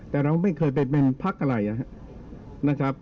แต่เราไม่เคยไปเป็นพักอะไรนะครับ